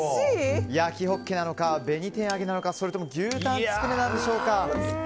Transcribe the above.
焼ほっけなのか、紅天揚げなのかそれとも牛たんつくねなんでしょうか。